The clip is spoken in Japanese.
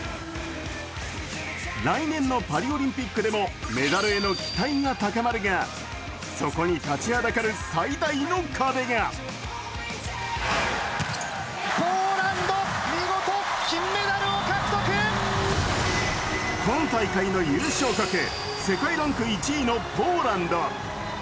来年のパリオリンピックでもメダルへの期待が高まるが、そこに立ちはだかる最大の壁が今大会の優勝国、世界ランク１位のポーランド。